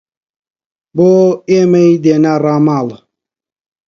بۆ ئێمەی دێنا ڕاماڵ